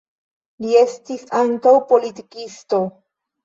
Li estis ankaŭ politikisto.